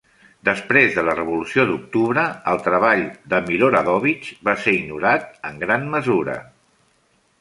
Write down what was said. Després de la Revolució d'Octubre, el treball de Miloradovich va ser ignorat en gran mesura.